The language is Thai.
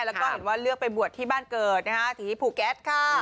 แล้วก็เห็นว่าเลือกไปบวชที่บ้านเกิดนะฮะศรีภูแก๊สค่ะ